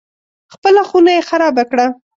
خپله خونه یې خرابه کړه.